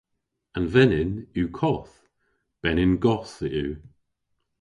An venyn yw koth. Benyn goth yw.